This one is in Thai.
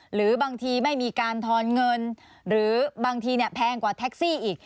หรือบางทีไม่มีการทอนเงินหรือบางทีแพงกว่าแท็กซี่อีก